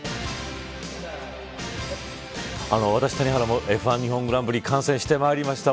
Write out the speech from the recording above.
私、谷原もＦ１日本グランプリを観戦していました。